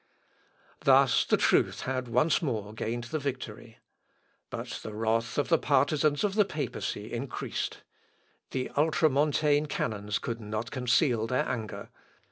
Thus the truth had once more gained the victory. But the wrath of the partisans of the papacy increased. The Ultra Montane canons could not conceal their anger.